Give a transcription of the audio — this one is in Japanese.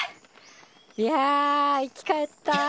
いや生き返った！